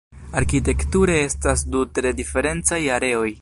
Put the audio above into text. Arkitekture estas du tre diferencaj areoj.